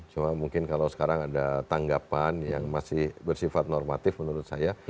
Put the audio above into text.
cuma mungkin kalau sekarang ada tanggapan yang masih bersifat normatif menurut saya